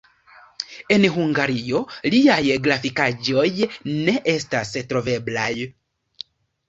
En Hungario liaj grafikaĵoj ne estas troveblaj.